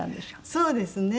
そうですね。